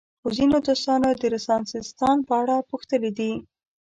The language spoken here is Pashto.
ځینو دوستانو د رنسانستان په اړه پوښتلي دي.